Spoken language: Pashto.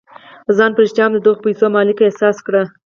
ځان په رښتيا هم د دغو پيسو مالک احساس کړئ.